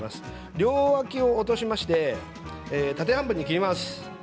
両脇を落としまして縦半分に切ります。